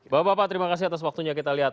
bapak bapak terima kasih atas waktunya kita lihat